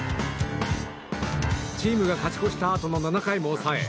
チームが勝ち越したあとの７回も抑え